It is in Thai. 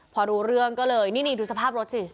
พอรู้เรื่องก็เลยนี่ดูสภาพรถสิ